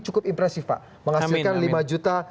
cukup impresif pak menghasilkan lima juta